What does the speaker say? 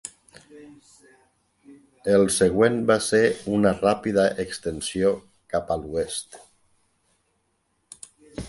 El següent va ser una ràpida extensió cap a l'oest.